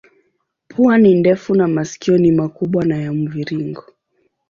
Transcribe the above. Pua ni ndefu na masikio ni makubwa na ya mviringo.